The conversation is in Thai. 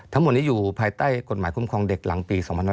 ทั้งหมดนี้อยู่ภายใต้กฎหมายคุ้มครองเด็กหลังปี๒๕๖๒